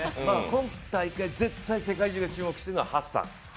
今大会、絶対世界中が注目しているのは、ハッサン。